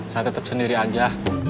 saya tetap sendiri aja